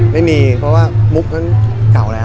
ไม่มีเพราะว่ามุกนั้นเก่าแล้ว